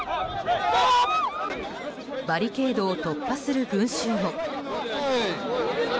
バリケードを突破する群衆も。